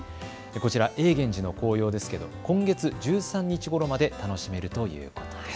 こちら永源寺の紅葉、今月１３日ごろまで楽しめるということです。